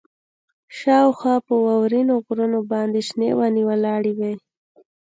شاوخوا په واورینو غرونو باندې شنې ونې ولاړې وې